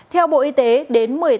theo bộ y tế đến